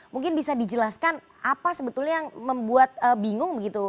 mungkin bisa dijelaskan apa sebetulnya yang membuat bingung begitu